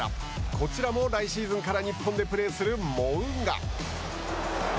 こちらも来シーズンから日本でプレーするモウンガ。